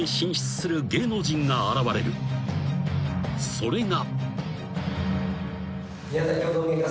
［それが］